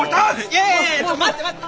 いやいやいや待って待って！